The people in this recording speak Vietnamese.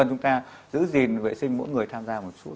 chúng ta giữ gìn vệ sinh mỗi người tham gia một số